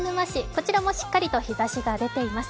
こちらもしっかりと日ざしが出ています。